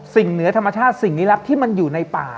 สิ่งเหนือธรรมชาติสิ่งลิรักษณ์ที่มันอยู่ในป่า